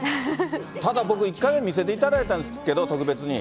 ただ僕、１回目見せていただいたんですけど、特別に。